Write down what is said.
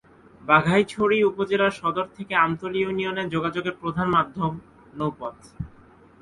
বাঘাইছড়ি উপজেলা সদর থেকে আমতলী ইউনিয়নে যোগাযোগের প্রধান মাধ্যম নৌপথ।